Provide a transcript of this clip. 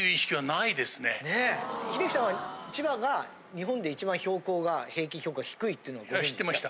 英樹さんは千葉が日本で一番標高が平均標高が低いっていうのはご存じでした？